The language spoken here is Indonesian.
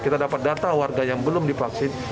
kita dapat data warga yang belum divaksin